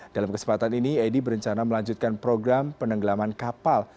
dalam kesempatan ini edi berencana melanjutkan program penenggelaman kapal